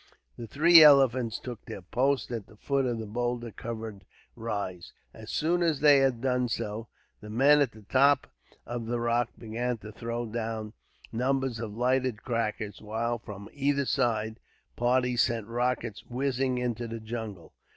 The three elephants took their posts, at the foot of the boulder covered rise. As soon as they had done so, the men at the top of the rock began to throw down numbers of lighted crackers; while, from either side, parties sent rockets whizzing into the jungle.